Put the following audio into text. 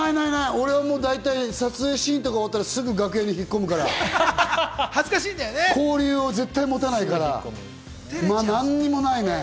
俺は大体撮影シーンとか終わったら、すぐ楽屋に引っ込むから、交流を絶対持たないから、何もないね。